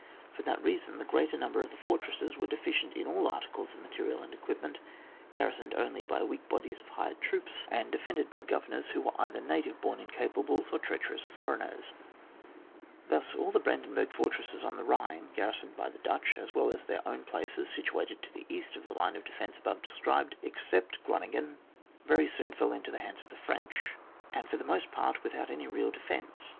For that reason the greater number of the fortresses were deficient in all articles of material and equipment, garrisoned only by weak bodies of hired troops, and CHAP. XX.] INUNDATIONS, 149 defended by governors who were either native born incapables, or treacherous foreigners. Thus all the Brandenburg fortresses on the Ehine, garrisoned bj Dutch, as well as all their own places sit uated to the east of the line of defence above described, except Groningen, very soon fell into the hands of the French, and for the most part without any real defence.